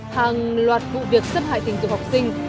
hàng loạt vụ việc xâm hại tình dục học sinh